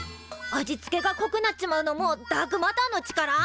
味付けがこくなっちまうのもダークマターの力？